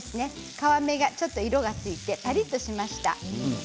皮目、ちょっと色がついてカリっとしました。